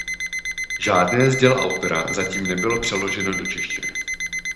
Žádné z děl autora zatím nebylo přeloženo do češtiny.